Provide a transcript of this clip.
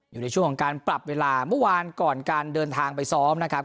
อยู่ในช่วงของการปรับเวลาเมื่อวานก่อนการเดินทางไปซ้อมนะครับ